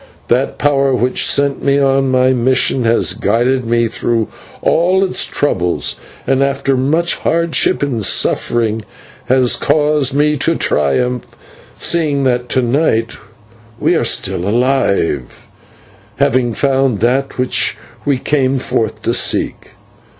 That power which sent me on my mission has guided me through all its troubles, and after much hardship and suffering has caused me to triumph, seeing that to night we are still alive, having found that which we came forth to seek.